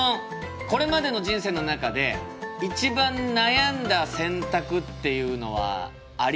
これまでの人生の中で一番悩んだ選択っていうのはありますか？